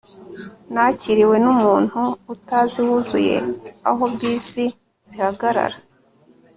nakiriwe numuntu utazi wuzuye aho bisi zihagarara